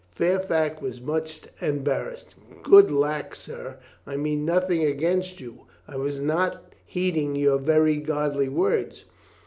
Fairfax was much embarrassed. "Good lack, sir, I mean nothing against you. I was not heeding your very godly words.